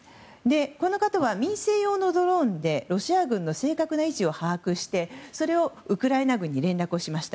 この方は民生用のドローンでロシア軍の正確な位置を把握してそれをウクライナ軍に連絡しました。